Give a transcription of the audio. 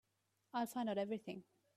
I'll find out everything.